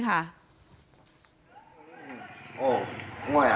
นี่เป็นม่วยครับ